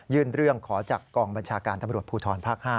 ยื่นเรื่องขอจากกองบัญชาการตำรวจภูทรภักดิ์๕